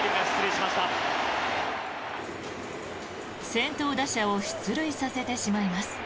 先頭打者を出塁させてしまいます。